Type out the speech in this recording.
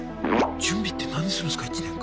準備って何するんすか１年間。